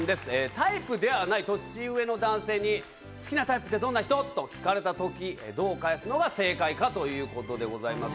タイプではない年上の男性に好きなタイプってどんな人？と聞かれた時、どう返すのが正解かということです。